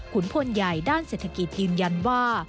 พลใหญ่ด้านเศรษฐกิจยืนยันว่า